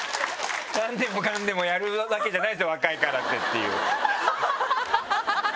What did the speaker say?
「何でもかんでもやるわけじゃないですよ若いからって」っていうハハハハ！